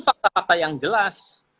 fakta fakta yang jelas